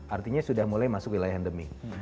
artinya sudah mulai masuk wilayah endemi